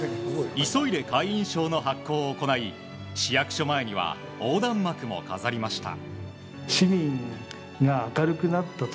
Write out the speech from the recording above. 急いで会員証の発行を行い市役所前には横断幕も飾りました。